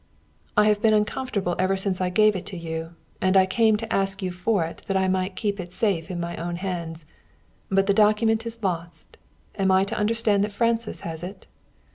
I have been uncomfortable ever since I gave it to you; and I came to ask you for it that I might keep it safe in my own hands. But the document is lost, am I to understand that Francis has it?"